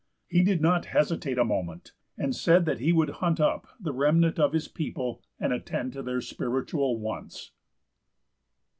He did not hesitate a moment, and said that he would hunt up the remnant of his people and attend to their spiritual wants.